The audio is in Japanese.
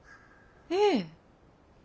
ええ。